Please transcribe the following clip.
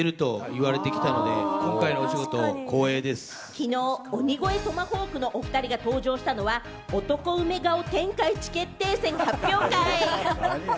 きのう鬼越トマホークのお２人が登場したのは、男梅顔天下一決定戦の発表会。